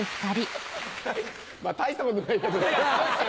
まぁ大したことねえけどさ。